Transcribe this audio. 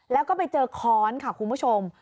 แล้วก็ไปเจอค้อนค่ะคุณผู้ชม